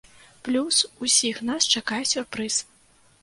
Плюс усіх нас чакае сюрпрыз!